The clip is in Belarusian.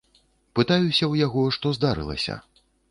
Пытаюся ў яго, што здарылася?